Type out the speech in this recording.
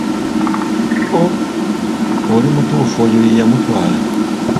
Oh, oli mutuufu oyo ye yamutwala.